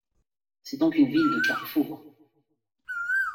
C'est donc une ville de carrefour.